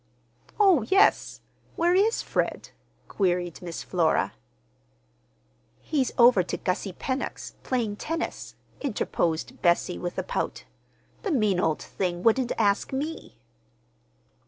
"Oh, yes, where is Fred?" queried Miss Flora. "He's over to Gussie Pennock's, playing tennis," interposed Bessie, with a pout. "The mean old thing wouldn't ask me!"